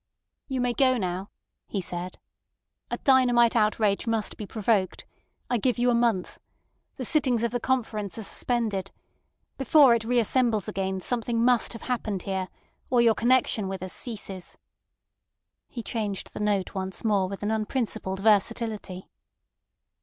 "You may go now," he said. "A dynamite outrage must be provoked. I give you a month. The sittings of the Conference are suspended. Before it reassembles again something must have happened here, or your connection with us ceases." He changed the note once more with an unprincipled versatility.